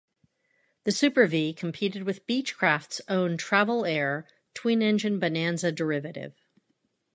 The Super-V competed with Beechcraft's own Travel Air twin-engine Bonanza derivative.